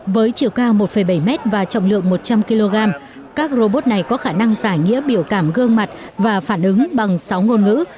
với chiều cao một bảy mét và trọng lượng một trăm linh kg các robot này có khả năng giải nghĩa biểu cảm gương mặt và phản ứng bằng sáu ngôn ngữ